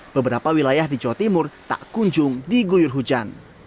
beberapa wilayah di jawa timur tak kunjung diguyur hujan